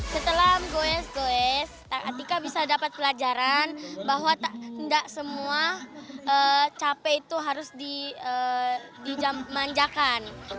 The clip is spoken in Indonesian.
setelah gowes gowes tak artika bisa dapat pelajaran bahwa tidak semua capek itu harus dimanjakan